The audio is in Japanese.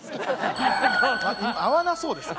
合わなそうですよ